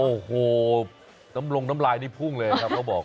โอ้โหน้ำลงน้ำลายนี่พุ่งเลยครับเขาบอก